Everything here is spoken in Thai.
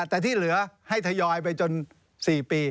แต่ที่เหลือให้ทยอยไปจน๔ปี